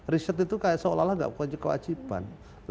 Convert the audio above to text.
riset itu kayak seolah olah gak punya kewajiban